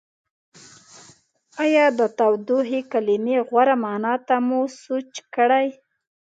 ایا د تودوخې کلمې غوره معنا ته مو سوچ کړی؟